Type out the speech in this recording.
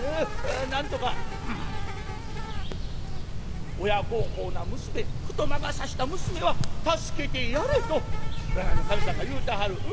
なんとか『親孝行な娘ふと魔が差した娘は助けてやれ』と占いの神さんが言うてはる。